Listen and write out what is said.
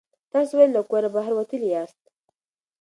تاسو ولې له کوره بهر وتلي یاست؟